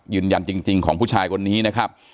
ยืนยันจริงของผู้ชายคนนี้นะครับ